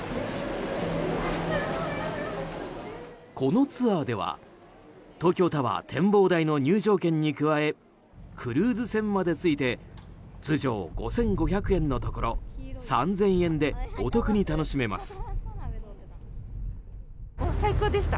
このツアーでは東京タワー展望台の入場券に加えクルーズ船までついて通常５５００円のところ３０００円でお得に楽しめます。